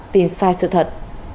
tiên giả tin sai sự thật